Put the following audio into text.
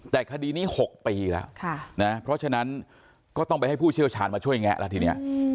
แต่คดีนี้๖ปีแล้วนะเพราะฉะนั้นก็ต้องไปให้ผู้เชี่ยวชาญมาช่วยแงะแล้วทีนี้